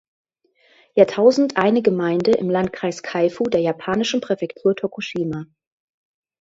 Jahrtausend eine Gemeinde im Landkreis Kaifu der japanischen Präfektur Tokushima.